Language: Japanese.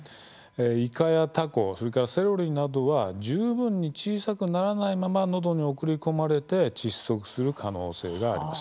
いかやたこそれからセロリなどは十分に小さくならないままのどに送り込まれて窒息する可能性があります。